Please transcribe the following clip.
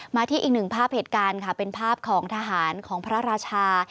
มาที่อีกหนึ่งภาพเหตุการณ์ค่ะเป็นภาพของทหารของพระราชา